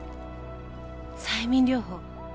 催眠療法。